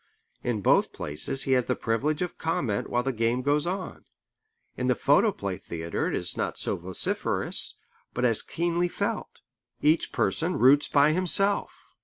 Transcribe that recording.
In both places he has the privilege of comment while the game goes on. In the photoplay theatre it is not so vociferous, but as keenly felt. Each person roots by himself.